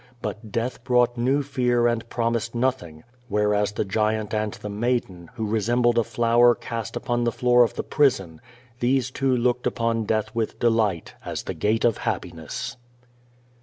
But death brought new fear and promised nothing, whereas the giant and the maiden, who resembled a flower cast upon the floor of the prison — tliese two looked upon death with delight, as the gate of happiness.